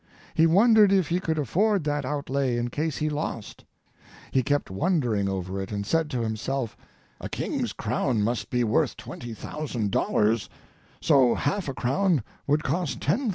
He wondered if he could afford that outlay in case he lost. He kept wondering over it, and said to himself: "A king's crown must be worth $20,000, so half a crown would cost $10,000."